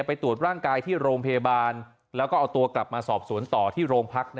ไปตรวจร่างกายที่โรงพยาบาลแล้วก็เอาตัวกลับมาสอบสวนต่อที่โรงพัก